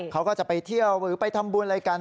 เขาก็จะไปเที่ยวหรือไปทำบุญอะไรกัน